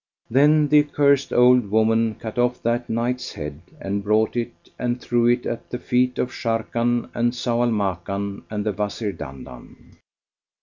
Then the accursed old woman cut off that Knight's head and brought it and threw it at the feet of Sharrkan and Zau al Makan and the Wazir Dandan.